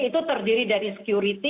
itu terdiri dari